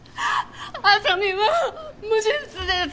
麻美は無実です。